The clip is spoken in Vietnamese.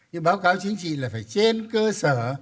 nhưng báo cáo chính trị là phải trên cơ sở